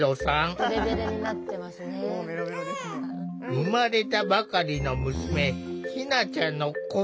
生まれたばかりの娘ひなちゃんの子育てに奮闘中！